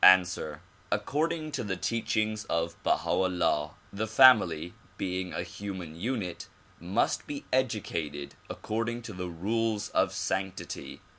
Answer : According to the teachings of Baha 'Ullah, the family being a human unit must be educated according to the rules of sanctity.